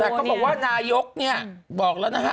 เข้าไปบอกว่านายกบอกแล้วนะฮะ